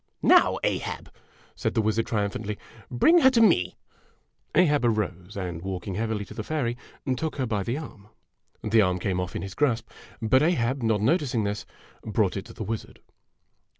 " Now, Ahab," said the wizard, triumphantly " bring her to me !" Ahab arose, and walking heavily to the fairy, took her by the arm. The arm came off in his grasp ; but Ahab, not noticing this, brought it to the wizard.